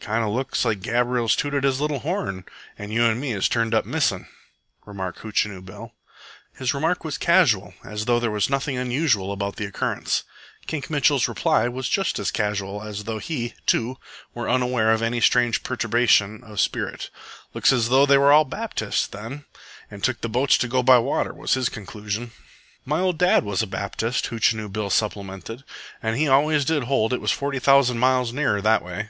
"Kind of looks like Gabriel's tooted his little horn, and you an' me has turned up missing," remarked Hootchinoo Bill. His remark was casual, as though there was nothing unusual about the occurrence. Kink Mitchell's reply was just as casual as though he, too, were unaware of any strange perturbation of spirit. "Looks as they was all Baptists, then, and took the boats to go by water," was his contribution. "My ol' dad was a Baptist," Hootchinoo Bill supplemented. "An' he always did hold it was forty thousand miles nearer that way."